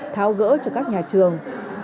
thao gỡ cho các nhà trường